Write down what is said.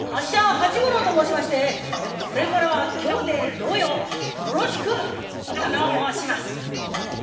八五郎と申しましてこれからは兄弟同様宜しくお頼申します」。